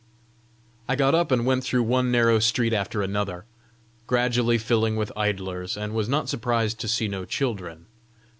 I got up and went through one narrow street after another, gradually filling with idlers, and was not surprised to see no children.